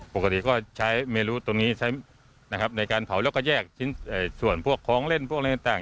ปกติก็ใช้เมลูตรงนี้ใช้นะครับในการเผาแล้วก็แยกชิ้นส่วนพวกของเล่นพวกอะไรต่าง